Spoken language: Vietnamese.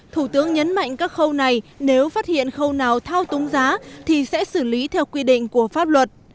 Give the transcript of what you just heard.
thủ tướng nhấn mạnh các khâu này nếu phát hiện khâu nào thao túng giá thì sẽ xử lý theo quy định của pháp luật